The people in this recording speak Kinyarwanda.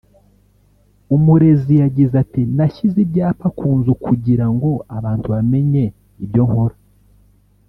Umurezi yagize ati “Nashyize ibyapa ku nzu kugira ngo abantu bamenye ibyo nkora